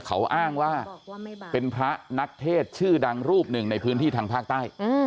เขาอ้างว่าเป็นพระนักเทศชื่อดังรูปหนึ่งในพื้นที่ทางภาคใต้